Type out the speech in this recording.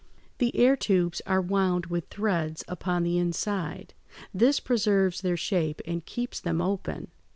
The air tubes are wound with threads upon the inside. This preserves their shape and keeps them open.